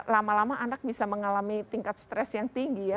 lama lama anak bisa mengalami tingkat stres yang tinggi ya